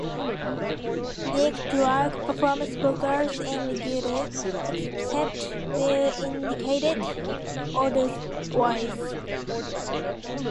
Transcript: Nick Drake performs vocals and guitar, except where indicated otherwise.